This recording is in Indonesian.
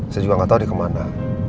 saya juga gak tau dia kemana